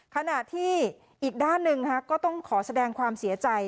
ขณะที่อีกด้านหนึ่งก็ต้องขอแสดงความเสียใจ